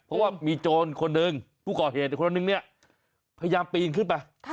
เพราะว่ามีโจรคนหนึ่งผู้ก่อเหตุอีกคนนึงเนี่ยพยายามปีนขึ้นไป